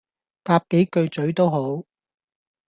搭幾句咀都好